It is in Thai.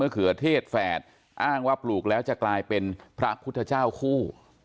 เค้าอ้างว่าปลูกแล้วจะกลายเป็นพระพุทธเจ้าคู่